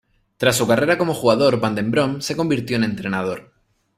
Tras su carrera como jugador van den Brom se convirtió en entrenador.